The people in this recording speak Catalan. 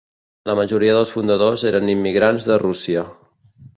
La majoria dels fundadors eren immigrants de Rússia.